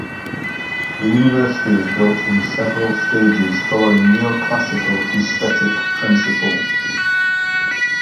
The University was built in several stages, following neoclassical aesthetic principles.